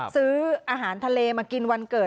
ซื้ออาหารทะเลมากินวันเกิด